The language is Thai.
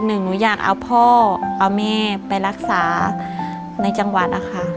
หนึ่งหนูอยากเอาพ่อเอาแม่ไปรักษาในจังหวัด